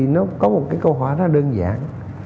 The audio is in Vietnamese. nó có một câu hỏi rất đơn giản